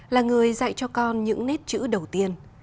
là người dạy cho con những nét chữ đầu tiên